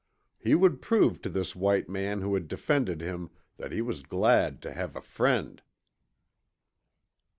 He would prove to this white man who had defended him that he was glad to have a friend.